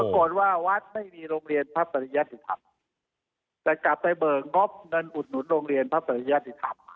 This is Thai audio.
ปรากฏว่าวัดไม่มีโรงเรียนพระปริยติธรรมแต่กลับไปเบิกงบเงินอุดหนุนโรงเรียนพระปริยติธรรม